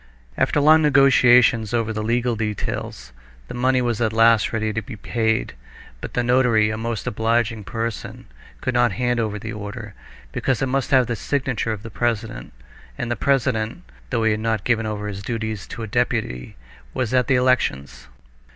After long negotiations over the legal details, the money was at last ready to be paid; but the notary, a most obliging person, could not hand over the order, because it must have the signature of the president, and the president, though he had not given over his duties to a deputy, was at the elections.